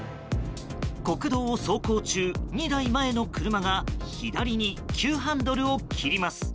国道を走行中、２台前の車が左に急ハンドルを切ります。